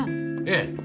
ええ。